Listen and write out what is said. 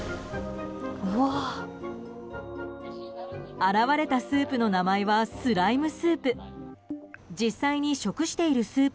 現れたスープの名前はスライムスープ。